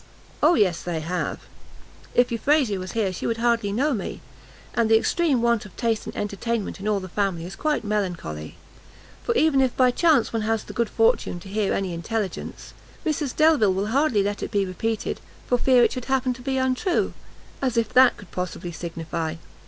"O yes they have; if Euphrasia was here she would hardly know me. And the extreme want of taste and entertainment in all the family is quite melancholy; for even if by chance one has the good fortune to hear any intelligence, Mrs Delvile will hardly let it be repeated, for fear it should happen to be untrue, as if that could possibly signify!